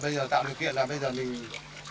bây giờ tạo điều kiện là bây giờ mình đã ngất mạ rồi